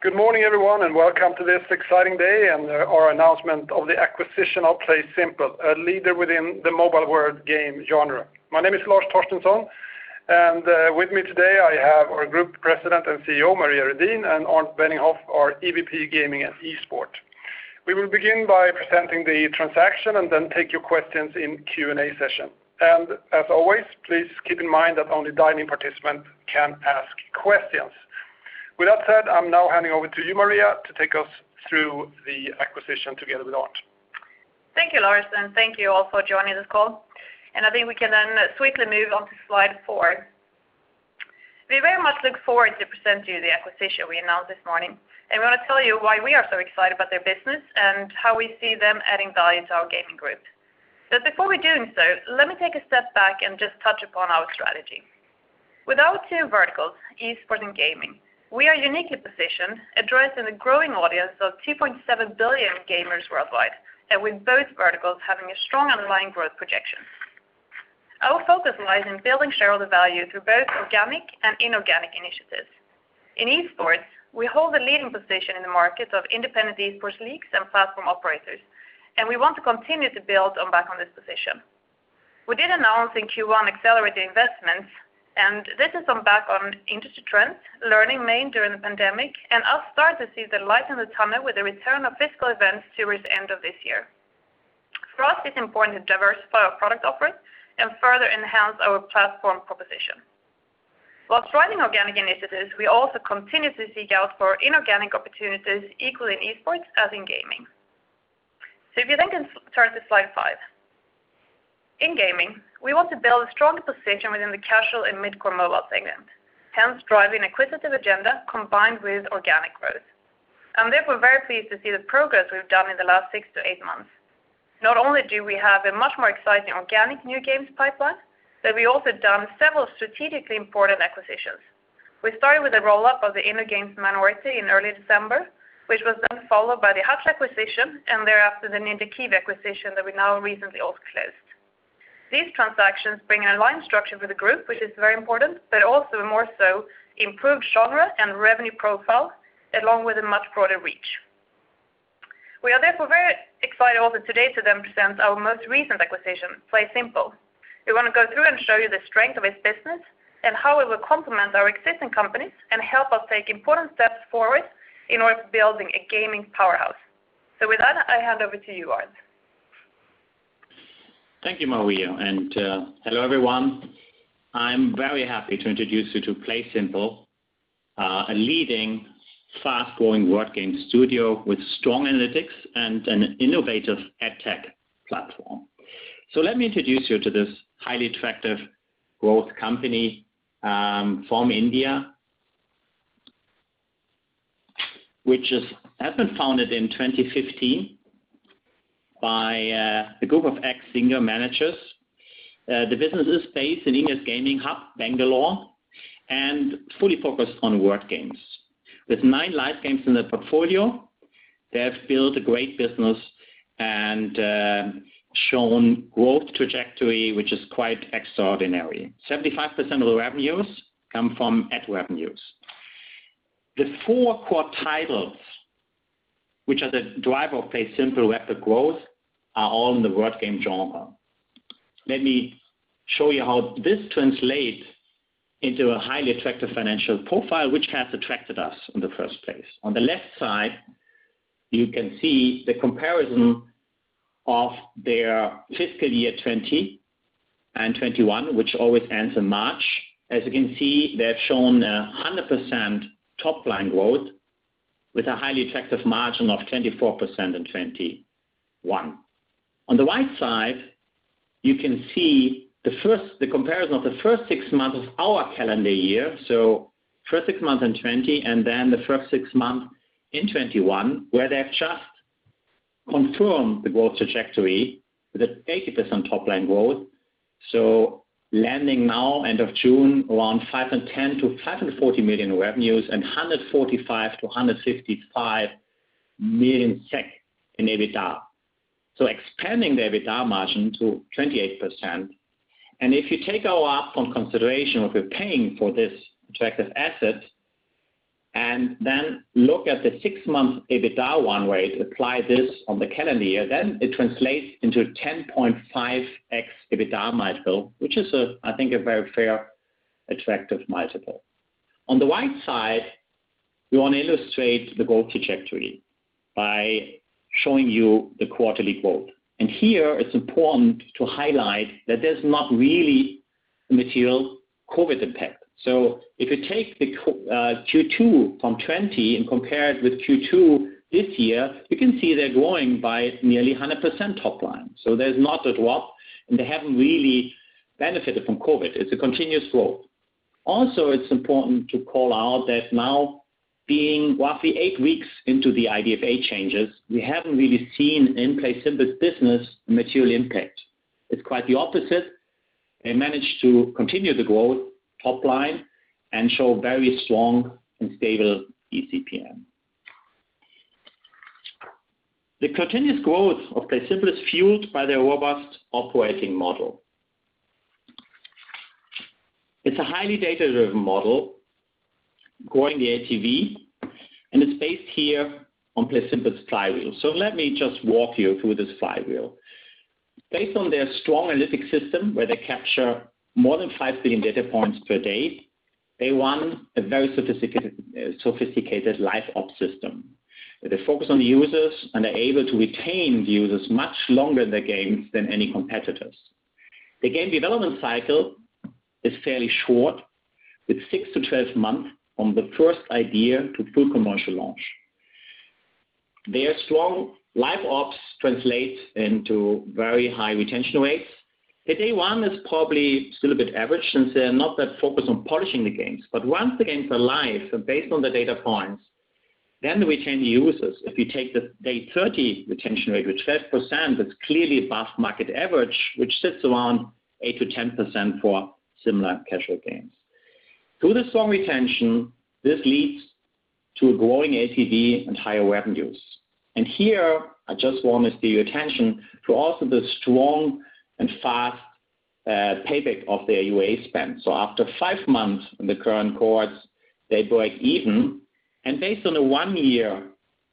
Good morning everyone, welcome to this exciting day and our announcement of the acquisition of PlaySimple, a leader within the mobile word game genre. My name is Lars Torstensson, and with me today I have our Group President and CEO, Maria Redin, and Arnd Benninghoff, our EVP Gaming and Esports. We will begin by presenting the transaction and then take your questions in Q&A session. As always, please keep in mind that only dialing participants can ask questions. With that said, I'm now handing over to you, Maria, to take us through the acquisition together with Arnd. Thank you, Lars. Thank you all for joining this call. I think we can then swiftly move on to slide four. We very much look forward to presenting you the acquisition we announced this morning, and we want to tell you why we are so excited about their business and how we see them adding value to our gaming group. Before we do so, let me take a step back and just touch upon our strategy. With our two verticals, esport and gaming, we are uniquely positioned, addressing a growing audience of 2.7 billion gamers worldwide, and with both verticals having strong underlying growth projections. Our focus lies in building shareholder value through both organic and inorganic initiatives. In esports, we hold a leading position in the market of independent esports leagues and platform operators, and we want to continue to build on back on this position. We did announce in Q1 accelerated investments, and this is on back on industry trends, learning gained during the pandemic, and upside to see the light in the tunnel with the return of physical events towards the end of this year. For us, it's important to diversify our product offering and further enhance our platform proposition. While driving organic initiatives, we also continuously seek out inorganic opportunities, equally in esports as in gaming. If you then can turn to slide five. In gaming, we want to build a strong position within the casual and mid-core mobile segment, hence driving an acquisitive agenda combined with organic growth. With it, we're very pleased to see the progress we've done in the last six to eight months. Not only do we have a much more exciting organic new games pipeline, but we've also done several strategically important acquisitions. We started with the roll-up of the InnoGames minority in early December, which was then followed by the Hutch acquisition, and thereafter the MenguCube acquisition that we now recently also closed. These transactions bring align structure for the group, which is very important, but also more so improve genre and revenue profile along with a much broader reach. We are therefore very excited also today to then present our most recent acquisition, PlaySimple. We want to go through and show you the strength of its business and how it will complement our existing companies and help us take important steps forward in order to building a gaming powerhouse. With that, I hand over to you, Arnd Benninghoff. Thank you, Maria. Hello everyone. I'm very happy to introduce you to PlaySimple, a leading fast-growing word game studio with strong analytics and an innovative edtech platform. Let me introduce you to this highly attractive growth company from India, which has been founded in 2015 by a group of ex-senior managers. The business is based in India's gaming hub, Bangalore, and fully focused on word games. With nine live games in their portfolio, they have built a great business and shown growth trajectory which is quite extraordinary. 75% of the revenues come from ad revenues. The four core titles, which are the driver of PlaySimple rapid growth, are all in the word game genre. Let me show you how this translates into a highly attractive financial profile, which has attracted us in the first place. On the left side, you can see the comparison of their fiscal year 2020 and 2021, which always ends in March. As you can see, they have shown 100% top-line growth with a highly attractive margin of 24% in 2021. On the right side, you can see the comparison of the first six months of our calendar year, first six months in 2020 and then the first six months in 2021, where they have just confirmed the growth trajectory with a 80% top-line growth. Landing now end of June around 510 million-540 million in revenues and 145 million-165 million SEK in EBITDA. Expanding the EBITDA margin to 28%. If you take our offer in consideration what we're paying for this attractive asset, then look at the six-month EBITDA one way to apply this on the calendar year, then it translates into a 10.5x EBITDA multiple, which is I think a very fair, attractive multiple. On the right side, we want to illustrate the growth trajectory by showing you the quarterly growth. Here it's important to highlight that there's not really a material COVID impact. If you take the Q2 from 2020 and compare it with Q2 this year, you can see they're growing by nearly 100% top line. There's not a drop, and they haven't really benefited from COVID. It's a continuous growth. Also, it's important to call out that now being roughly eight weeks into the IDFA changes, we haven't really seen in PlaySimple business a material impact. It's quite the opposite. They managed to continue the growth top line and show very strong and stable eCPM. The continuous growth of PlaySimple is fueled by their robust operating model. It's a highly data-driven model growing the ATV, and it's based here on PlaySimple's flywheel. Let me just walk you through this flywheel. Based on their strong analytics system, where they capture more than 5 billion data points per day, they run a very sophisticated live ops system. They focus on users and are able to retain the users much longer in their games than any competitors. The game development cycle is fairly short, with 6-12 months from the first idea to full commercial launch. Their strong live ops translates into very high retention rates. Their day one is probably still a bit average since they're not that focused on polishing the games. Once the games are live and based on the data points, then they retain the users. If you take the day 30 retention rate of 12%, that is clearly above market average, which sits around 8%-10% for similar casual games. Through the strong retention, this leads to a growing ATV and higher revenues. Here I just want to steer your attention to also the strong and fast payback of their UA spend. After five months in the current cohorts, they break even. Based on a one-year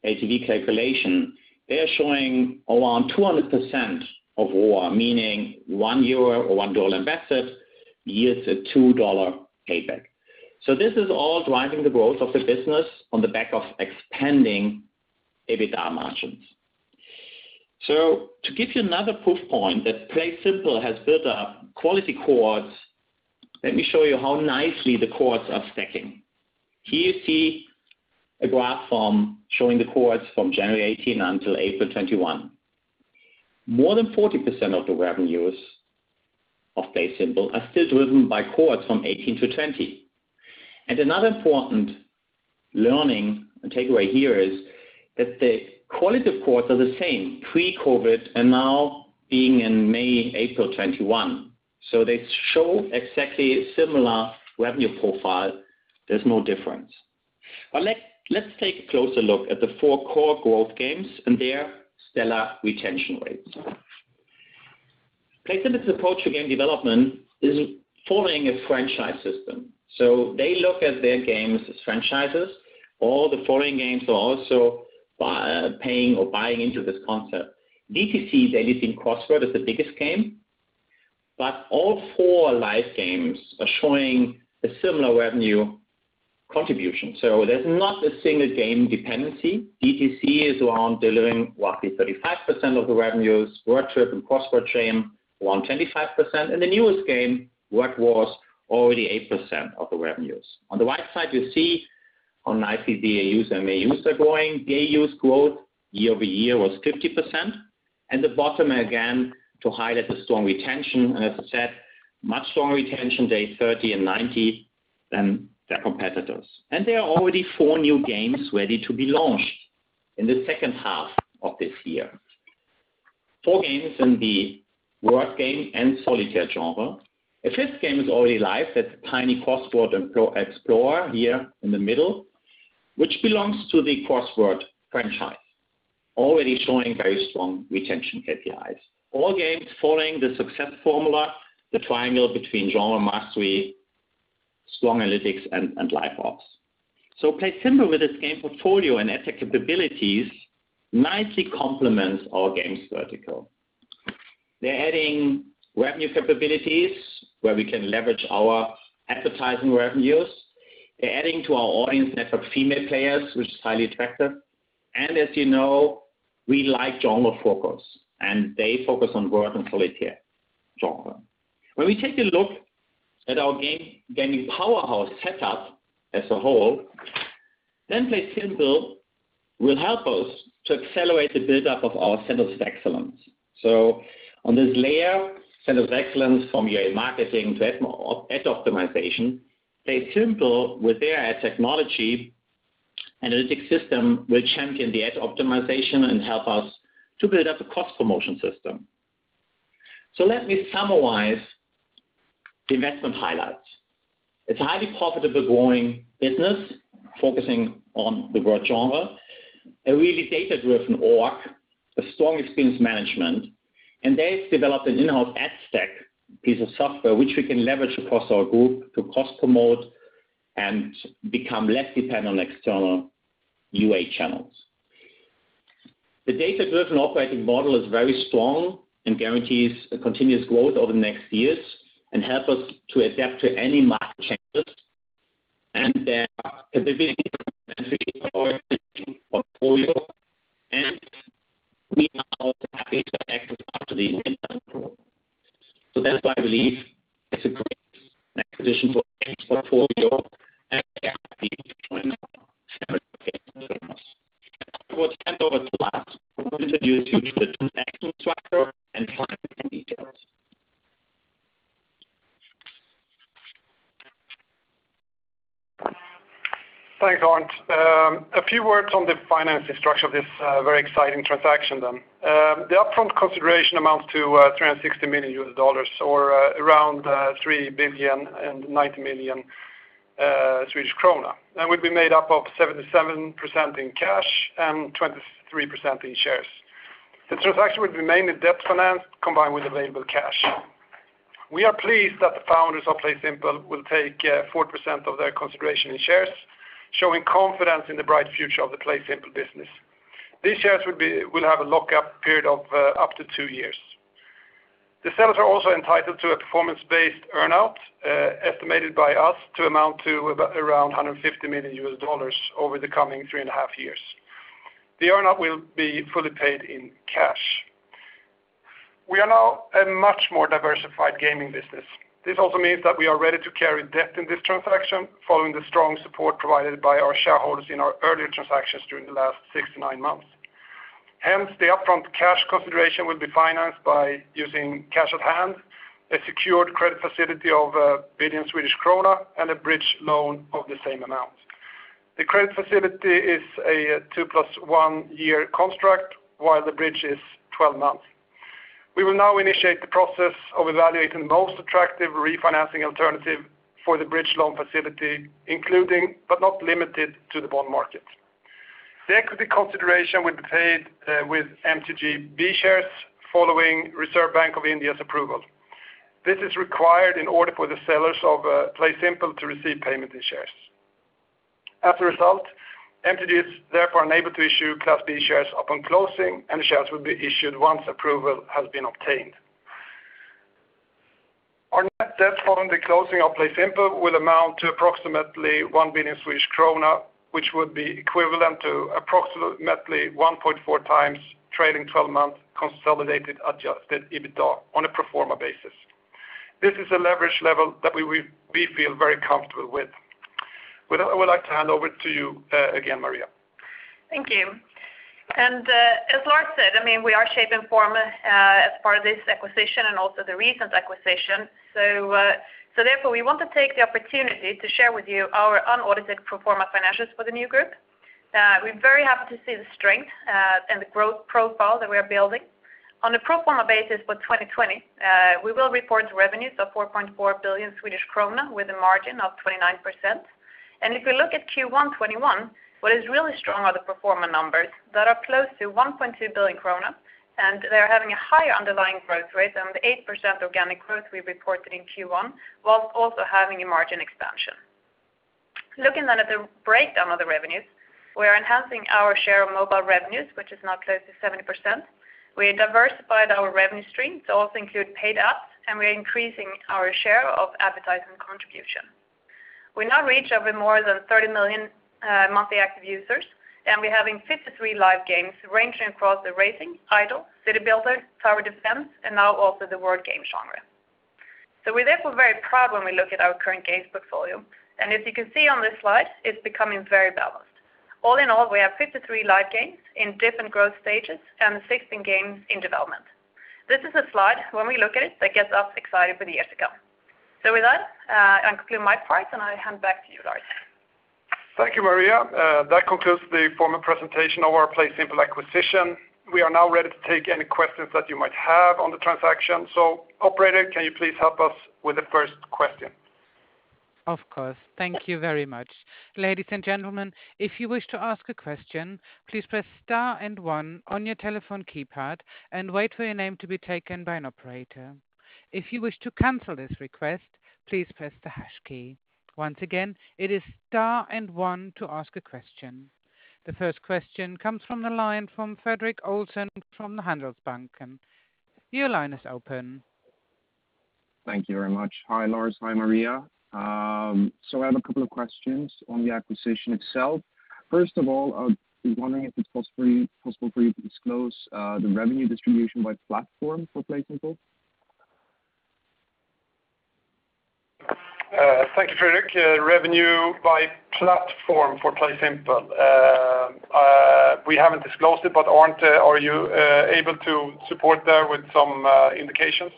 ATV calculation, they are showing around 200% of ROAS, meaning 1 euro or $1 invested yields a $2 payback. This is all driving the growth of the business on the back of expanding EBITDA margins. To give you another proof point that PlaySimple has built up quality cohorts, let me show you how nicely the cohorts are stacking. Here you see a graph showing the cohorts from January 2018 until April 2021. More than 40% of the revenues of PlaySimple are still driven by cohorts from 2018 to 2020. Another important learning and takeaway here is that the quality of cohorts are the same pre-COVID, and now being in May, April 2021. They show exactly similar revenue profile. There's no difference. Let's take a closer look at the four core growth games and their stellar retention rates. PlaySimple's approach to game development is following a franchise system. They look at their games as franchises. All the following games are also paying or buying into this concept. DTC, Daily Themed Crossword, is the biggest game, all four live games are showing a similar revenue contribution. There's not a single game dependency. DTC is around delivering roughly 35% of the revenues. Word Trip and Crossword Chained around 25%, the newest game, Word Wars, already 8% of the revenues. On the right side, you see how nicely DAUs and MAUs are growing. DAU growth year-over-year was 50%, the bottom again to highlight the strong retention. As I said, much stronger retention day 30 and 90 than their competitors. There are already four new games ready to be launched in the second half of this year. Four games in the word game and solitaire genre. A 5th game is already live. That's Tiny Crossword Explore here in the middle, which belongs to the Crossword franchise, already showing very strong retention KPIs. All games following the success formula, the triangle between genre mastery, strong analytics, and live ops. PlaySimple, with its game portfolio and their capabilities, nicely complements our Games vertical. They are adding revenue capabilities where we can leverage our advertising revenues. They are adding to our audience network female players, which is highly attractive. As you know, we like genre focus, and they focus on word and solitaire genre. When we take a look at our gaming powerhouse setup as a whole, PlaySimple will help us to accelerate the build-up of our center of excellence. On this layer, center of excellence from UA marketing to ad optimization, PlaySimple with their ad technology analytics system will champion the ad optimization and help us to build up a cross-promotion system. Let me summarize the investment highlights. It's a highly profitable growing business focusing on the word genre, a really data-driven org, a strong experience management. They've developed an in-house ad stack piece of software, which we can leverage across our group to cross-promote and become less dependent on external UA channels. The data-driven operating model is very strong and guarantees a continuous growth over the next years and help us to adapt to any market changes. [Their capability fits very well in our Games portfolio, and we are happy to activate after the M&A approval. That's why I believe it's a great acquisition for our Games portfolio and happy to join our MTG family. With that, over to Lars who will give you a few words on the financial structure and final details]. Thanks, Arnd. A few words on the financial structure of this very exciting transaction then. The upfront consideration amounts to $360 million, or around SEK 3 billion and 90 million Swedish krona, and will be made up of 77% in cash and 23% in shares. The transaction will be mainly debt financed, combined with available cash. We are pleased that the founders of PlaySimple will take 4% of their consideration in shares, showing confidence in the bright future of the PlaySimple business. These shares will have a lock-up period of up to two years. The sellers are also entitled to a performance-based earn-out, estimated by us to amount to around SEK 150 million over the coming three and a half years. The earn-out will be fully paid in cash. We are now a much more diversified gaming business. This also means that we are ready to carry debt in this transaction following the strong support provided by our shareholders in our earlier transactions during the last six to nine months. The upfront cash consideration will be financed by using cash at hand, a secured credit facility of 1 billion Swedish krona, and a bridge loan of the same amount. The credit facility is a 2+1-year construct, while the bridge is 12 months. We will now initiate the process of evaluating the most attractive refinancing alternative for the bridge loan facility, including, but not limited to, the bond market. The equity consideration will be paid with MTG B shares following Reserve Bank of India's approval. This is required in order for the sellers of PlaySimple to receive payment in shares. As a result, MTG is therefore enabled to issue MTG B shares upon closing. Shares will be issued once approval has been obtained. Our net debt following the closing of PlaySimple will amount to approximately 1 billion Swedish krona, which would be equivalent to approximately 1.4x trailing 12 months consolidated adjusted EBITA on a pro forma basis. This is a leverage level that we feel very comfortable with. With that, I would like to hand over to you again, Maria. Thank you. As Lars said, we are shape and form for this acquisition and also the recent acquisition. Therefore, we want to take the opportunity to share with you our unaudited pro forma financials for the new group. We're very happy to see the strength and the growth profile that we're building. On a pro forma basis for 2020, we will report revenues of 4.4 billion Swedish krona with a margin of 29%. If you look at Q1 2021, what is really strong are the pro forma numbers that are close to 1.2 billion krona, and they're having a higher underlying growth rate and an 8% organic growth we reported in Q1, whilst also having a margin expansion. Looking at the breakdown of the revenues, we are enhancing our share of mobile revenues, which is now close to 70%. We diversified our revenue stream to also include paid apps, and we're increasing our share of advertising contribution. We now reach over more than 30 million monthly active users, and we're having 53 live games ranging across the racing, idol, city builder, tower defense, and now also the word game genre. With this, we're very proud when we look at our current games portfolio, and as you can see on this slide, it's becoming very balanced. All in all, we have 53 live games in different growth stages and 16 games in development. This is a slide when we look at it that gets us excited for the years to come. With that, I'm concluding my part, and I hand back to you, Lars. Thank you, Maria. That concludes the formal presentation of our PlaySimple acquisition. We are now ready to take any questions that you might have on the transaction. Operator, can you please help us with the first question? Of course. Thank you very much. Ladies and gentlemen, if you wish to ask a question, please press star and one on your telephone keypad and wait for your name to be taken by an operator. If you wish to cancel this request, please press the hash key. Once again, it is star and one to ask a question. The first question comes from the line from Fredrik Olsson from the Handelsbanken. Your line is open. Thank you very much. Hi, Lars. Hi, Maria. I have a couple of questions on the acquisition itself. First of all, I was wondering if it is possible for you to disclose the revenue distribution by platform for PlaySimple? Thanks, Fredrik. Revenue by platform for PlaySimple. We haven't disclosed it, but are you able to support that with some indications?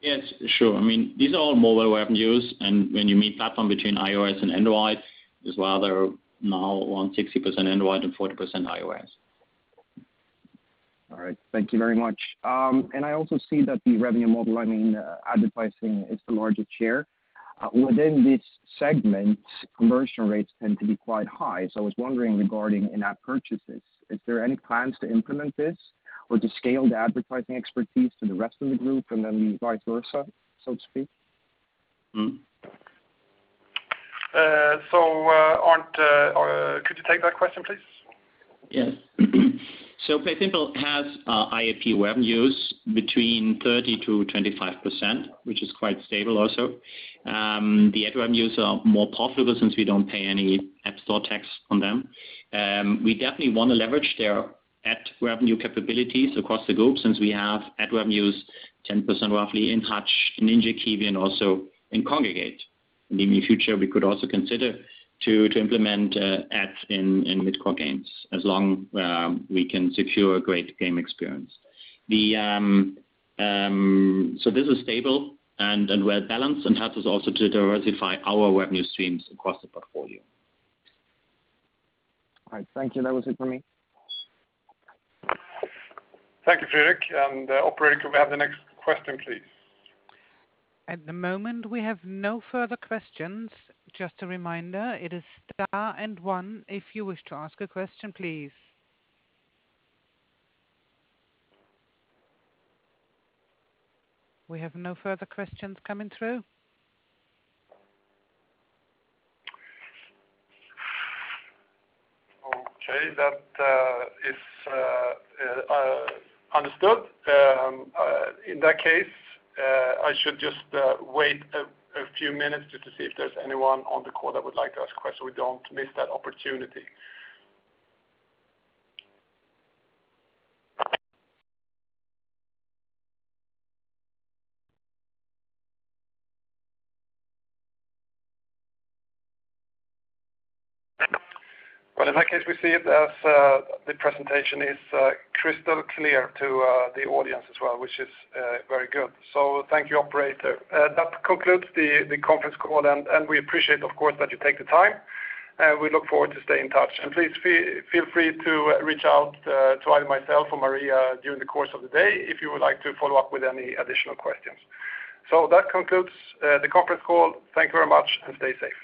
Yes, sure. These are all mobile web views. When you mix platform between iOS and Android as well, they're now around 60% Android and 40% iOS. All right. Thank you very much. I also see that the revenue model, I mean, advertising is the largest share. Within this segment, conversion rates tend to be quite high. I was wondering regarding in-app purchases, is there any plans to implement this or to scale the advertising expertise to the rest of the group and then vice versa, so to speak? Arnd, could you take that question, please? Yes. PlaySimple has IAP web views between 30%-25%, which is quite stable also. The ad web views are more profitable since we don't pay any app store tax on them. We definitely want to leverage their ad revenue capabilities across the group since we have ad revenues 10% roughly in Hutch, Ninja Kiwi, and also in Kongregate. In the future, we could also consider to implement ads in mid-core games, as long we can secure a great game experience. This is stable, and well-balanced, and helps us also to diversify our revenue streams across the portfolio. All right. Thank you. That was it for me. Thank you, Fredrik. Operator, could we have the next question, please? At the moment, we have no further questions. Just a reminder, it is star and one if you wish to ask a question, please. We have no further questions coming through. Okay, that is understood. In that case, I should just wait a few minutes to see if there's anyone on the call that would like to ask a question, so we don't miss that opportunity. Well, in that case, we see it as the presentation is crystal clear to the audience as well, which is very good. Thank you, operator. That concludes the conference call, and we appreciate, of course, that you take the time, and we look forward to staying in touch. Please feel free to reach out to either myself or Maria during the course of the day if you would like to follow up with any additional questions. That concludes the conference call. Thank you very much and stay safe.